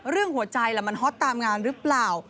เรื่องหัวใจมันฮอตตามงานหรือเปล่า